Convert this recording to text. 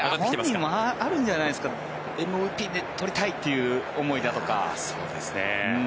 本人もあるんじゃないですかＭＶＰ取りたいっていう思いだとか。